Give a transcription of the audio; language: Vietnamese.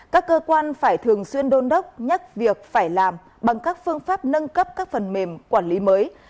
các cơ quan phải thường xuyên đôn đốc nhắc việc phải làm bằng các phương pháp nâng cấp các phần mềm quản lý mới